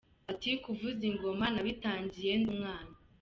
Ati “ Kuvuza ingoma nabitangiye ndi umwana.